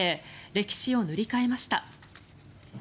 歴史を塗り替えました。